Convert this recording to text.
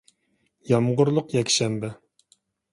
يامغۇرلۇق يەكشەنبە